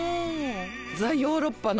ザヨーロッパの。